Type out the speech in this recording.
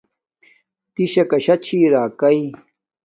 ریشاکا شا چھی راکݵ